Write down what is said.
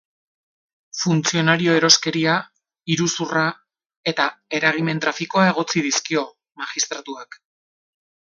Funtzionario-eroskeria, iruzurra eta eragimen-trafikoa egotzi dizkio magistratuak.